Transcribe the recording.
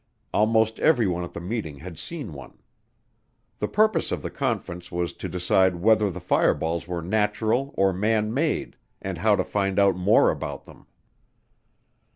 Almost everyone at the meeting had seen one. The purpose of the conference was to decide whether the fireballs were natural or man made and how to find out more about them.